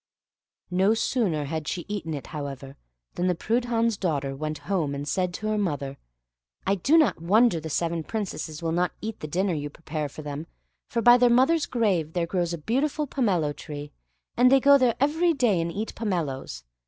No sooner had she eaten it, however, than the Prudhan's daughter went home and said to her mother, "I do not wonder the seven Princesses will not eat the dinner you prepare for them, for by their mother's grave there grows a beautiful pomelo tree, and they go there every day and eat the pomeloes.